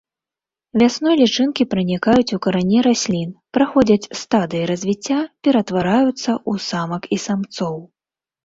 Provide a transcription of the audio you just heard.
Вясной лічынкі пранікаюць у карані раслін, праходзяць стадыі развіцця, ператвараюцца ў самак і самцоў.